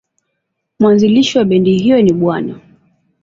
Mwanzilishi wa bendi hiyo ni Bw.